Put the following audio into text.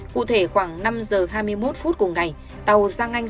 cụ thể khoảng năm giờ hai mươi một phút cùng ngày tàu sang anh